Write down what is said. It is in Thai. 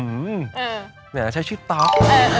เหมือนกันใช้ชื่อต๊อก